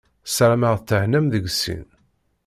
Sarameɣ thennam deg sin.